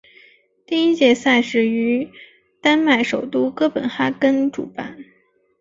第一届赛事于丹麦首都哥本哈根主办。